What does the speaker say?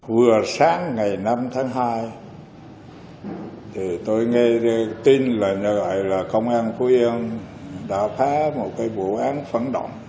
vừa sáng ngày năm tháng hai tôi nghe tin là công an của em đã phá một cái bộ án phản động